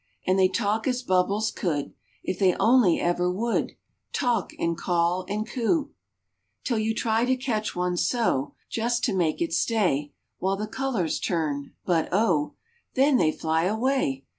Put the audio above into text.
And they talk as Bubbles could If they only ever would Talk and call and coo! Till you try to catch one so, Just to make it stay While the colors turn. But Oh, Then they fly away!